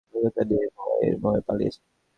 নাদারাজন নিজের জানের ভয়ে পালিয়েছে।